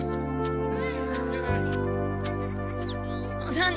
何？